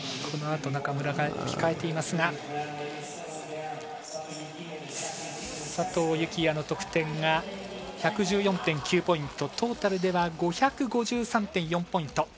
このあと、中村が控えていますが佐藤幸椰の得点が１１４．９ポイントトータルでは５５３．４ポイント。